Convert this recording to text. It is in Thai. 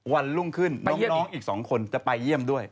วันรุ่งขึ้นน้องอีก๒คนจะไปเยี่ยมด้วย